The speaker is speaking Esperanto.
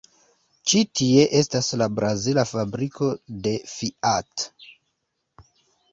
Ĉi tie estas la brazila fabriko de Fiat.